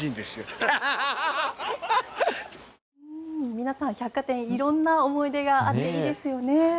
皆さん百貨店色んな思い出があっていいですよね。